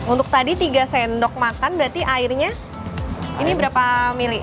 untuk tadi tiga sendok makan berarti airnya ini berapa mili